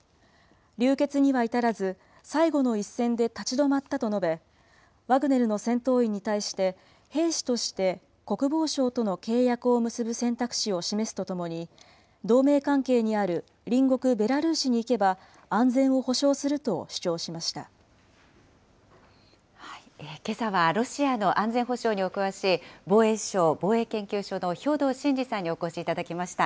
流血には至らず、最後の一線で立ち止まったと述べ、ワグネルの戦闘員に対して、兵士として国防省との契約を結ぶ選択肢を示すとともに、同盟関係にある隣国ベラルーシに行けば、けさはロシアの安全保障にお詳しい、防衛省防衛研究所の兵頭慎治さんにお越しいただきました。